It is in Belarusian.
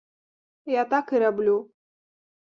Я так і раблю.